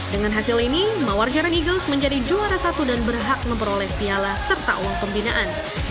dengan hasil ini mawar jero eagles menjadi juara satu dan berhak memperoleh piala serta uang pembinaan